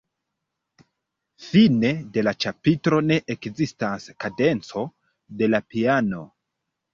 Fine de la ĉapitro ne ekzistas kadenco de la piano.